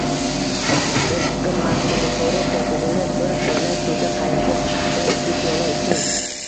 Bir siqim makkajo‘xori popugini bir choynak suvda qaynatib, bir-ikki piyola iching.